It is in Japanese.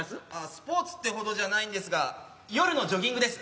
スポーツってほどじゃないんですが夜のジョギングです。